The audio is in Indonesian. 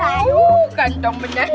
aduh kantong benar